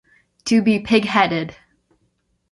To be pigheaded.